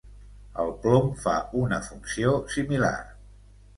El plom fa una funció similar.